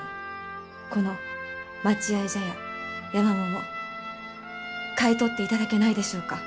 この待合茶屋山桃買い取っていただけないでしょうか？